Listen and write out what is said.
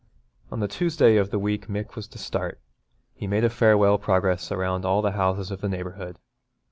On the Tuesday of the week Mick was to start he made a farewell progress round all the houses of the neighbourhood.